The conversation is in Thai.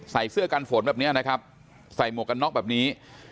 ใส่เสื้อกันฝนแบบนี้นะครับใส่หมวกกันน็อกแบบนี้